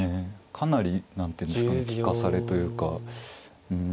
かなり何ていうんですかね利かされというかうん。